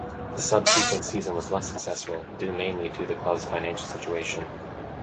The subsequent season was less successful, due mainly to the club's financial situation.